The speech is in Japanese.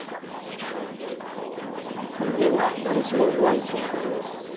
人間は誰しも弱い存在です。